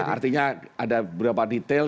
artinya ada beberapa detail